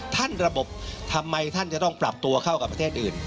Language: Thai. ระบบทำไมท่านจะต้องปรับตัวเข้ากับประเทศอื่น